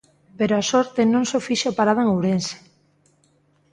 Pero a sorte non só fixo parada en Ourense.